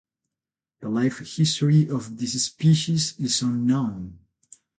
The life history of this species is unknown.